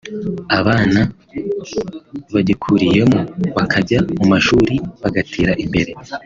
abana bagikuriyemo bakajya mu mashuri bagatera imbere[…